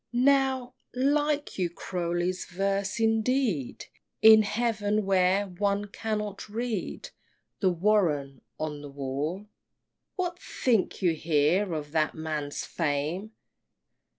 XXI. Now, like you Croly's verse indeed In heaven where one cannot read The "Warren" on a wall? What think you here of that man's fame?